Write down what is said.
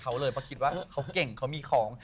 เขาเลยเพราะคิดว่าเขาเก่งเขามีของ